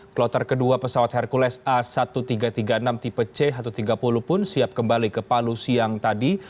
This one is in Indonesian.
kloter kedua pesawat hercules a seribu tiga ratus tiga puluh enam tipe c satu ratus tiga puluh pun siap kembali ke palu siang tadi